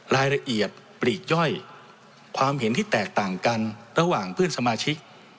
รายละเอียดปลีกย่อยความเห็นที่แตกต่างกันระหว่างเพื่อนสมาชิก